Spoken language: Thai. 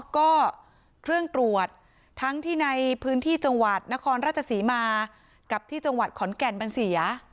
ก็เครื่องตรวจทั้งที่ในพื้นที่จังหวัดนครราชศรีมากับที่จังหวัดขอนแก่นมันเสีย